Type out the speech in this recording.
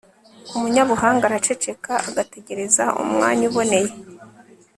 umunyabuhanga araceceka agategereza umwanya uboneye